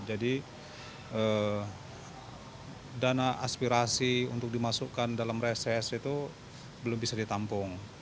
jadi dana aspirasi untuk dimasukkan dalam reses itu belum bisa ditampung